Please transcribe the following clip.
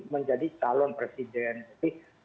menjadi calon presiden jadi